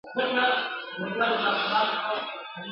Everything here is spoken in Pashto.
ښځه په بې وفا، دروهونکې